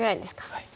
はい。